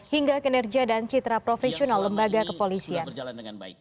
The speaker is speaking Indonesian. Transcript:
hingga kinerja dan citra profesional lembaga kepolisian